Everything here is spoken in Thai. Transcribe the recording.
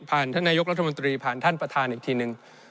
ท่านนายกรัฐมนตรีผ่านท่านประธานอีกทีหนึ่ง